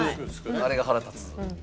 あれが腹立つ。